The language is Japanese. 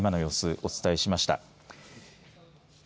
お伝えしました。